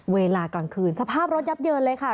เวลากลางคืนสภาพรถยับเยินเลยค่ะ